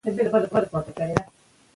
لوستې نجونې د ټولنې خبرو ته درناوی کوي.